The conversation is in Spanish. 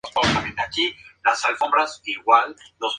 ¿tú no beberás?